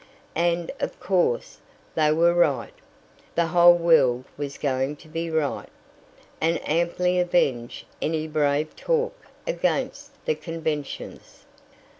And, of course, they were right. The whole world was going to be right, and amply avenge any brave talk against the conventions.